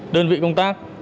đơn vị công tác